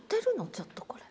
ちょっとこれ。